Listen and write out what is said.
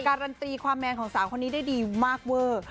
การันตีความแมนของสาวคนนี้ได้ดีมากเวอร์